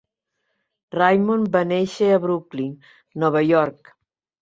Raymond va néixer a Brooklyn, Nova York.